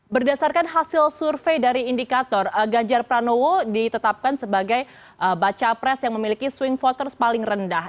berdasarkan hasil survei dari indikator ganjar pranowo ditetapkan sebagai baca pres yang memiliki swing voters paling rendah